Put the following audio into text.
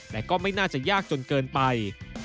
แต่ก็ไม่น่าจะยากจนเกินไป